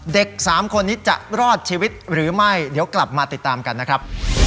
เด็กสามคนนี้จะรอดชีวิตหรือไม่เดี๋ยวกลับมาติดตามกันนะครับ